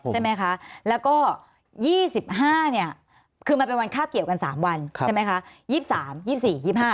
ใช่ไหมคะแล้วก็๒๕เนี่ยคือมันเป็นวันคาบเกี่ยวกัน๓วันใช่ไหมคะ